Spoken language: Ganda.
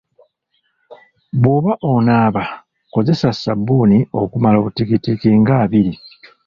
Bw’oba onaaba, kozesa ssabbuuni okumala obutikitiki nga abiri.